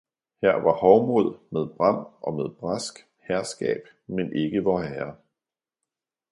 Her var Hovmod med Bram og med Brask, Herskab, men ikke Vor Herre!